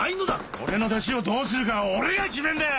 俺の弟子をどうするかは俺が決めんだよ！